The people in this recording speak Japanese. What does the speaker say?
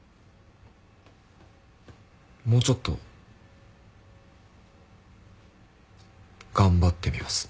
もうちょっと頑張ってみます。